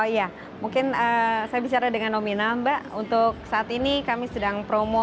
ya mungkin saya bicara dengan nomina mbak untuk saat ini kami sedang promo